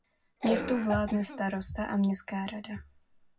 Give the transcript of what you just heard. Městu vládne starosta a městská rada.